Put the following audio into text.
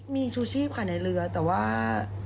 มีชูชีพค่ะในเรือแต่ว่า